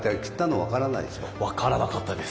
分からなかったです。